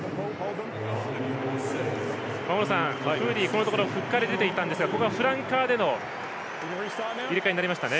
大野さん、フーリーはこのところフッカーで出ていたんですがここはフランカーでの入れ替えになりましたね。